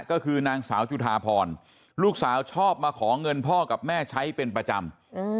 ก็คือนางสาวจุธาพรลูกสาวชอบมาขอเงินพ่อกับแม่ใช้เป็นประจำ